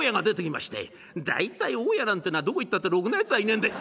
大体大家なんてのはどこ行ったってろくなやつはいねえんで」。